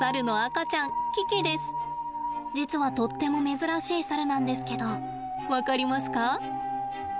実はとっても珍しいサルなんですけど分かりますか？